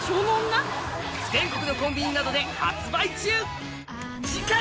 全国のコンビニなどで次回！